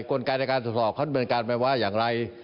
กฎการณ์ในการสอบเขาเป็นการแมวว่าอย่างไร